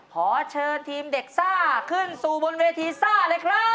ขอเชิญทีมเด็กซ่าขึ้นสู่บนเวทีซ่าเลยครับ